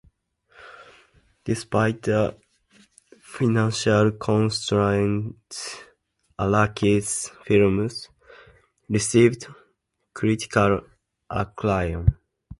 Despite the financial constraints, Araki's films received critical acclaim.